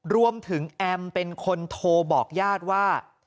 แอมเป็นคนโทรบอกญาติว่า